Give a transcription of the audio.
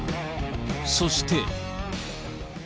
そして。